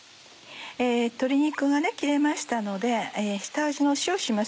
鶏肉が切れましたので下味の塩します。